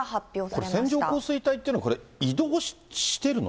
これ、線状降水帯っていうのはこれ、移動してるの？